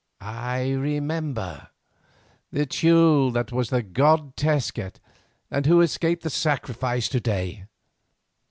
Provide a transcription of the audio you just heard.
I remember; the Teule that was the god Tezcat, and who escaped the sacrifice to day.